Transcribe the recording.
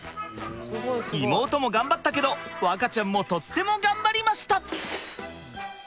妹も頑張ったけど和花ちゃんもとっても頑張りました！